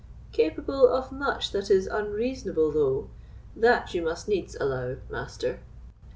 "Capable of much that is unreasonable, though; that you must needs allow, master.